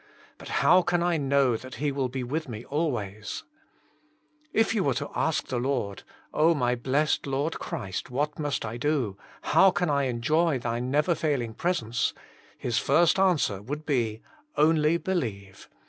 But how can I know that He will be with me always ?" If you were to ask the 52 Jesus Himself. Lord, «<0h, my blessed Lord Christ, what must I do, how can I enjoy Thy never failing presence ?" His first an swer would be, Only believe.